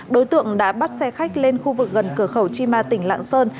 đối tượng đã bắt xe khách lên khu vực gần cửa khẩu chima tỉnh lạ sơn